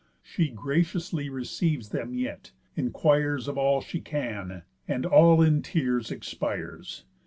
She graciously receives them yet, inquires Of all she can, and all in tears expires.